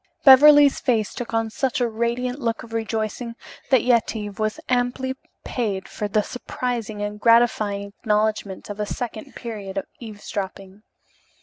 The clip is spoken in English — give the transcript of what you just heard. Beverly's face took on such a radiant look of rejoicing that Yetive was amply paid for the surprising and gratifying acknowledgment of a second period of eavesdropping.